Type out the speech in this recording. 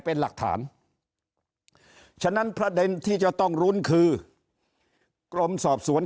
เป็นหลักฐานฉะนั้นประเด็นที่จะต้องรุ้นคือกรมสอบสวน